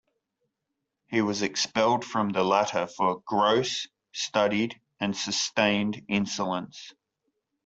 He was expelled from the latter for "gross, studied and sustained insolence".